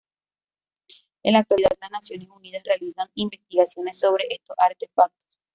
En la actualidad las Naciones Unidas realizan investigaciones sobre estos artefactos.